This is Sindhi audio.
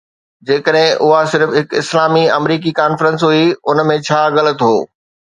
جيڪڏهن اها صرف هڪ اسلامي آمريڪي ڪانفرنس هئي، ان ۾ ڇا غلط هو؟